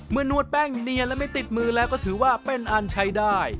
นวดแป้งเนียนและไม่ติดมือแล้วก็ถือว่าเป็นอันใช้ได้